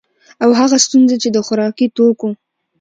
او هغه ستونزي چي د خوراکي توکو